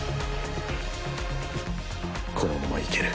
このままいける